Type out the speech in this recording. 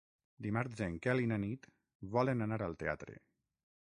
Dimarts en Quel i na Nit volen anar al teatre.